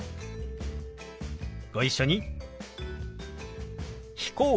ご一緒に。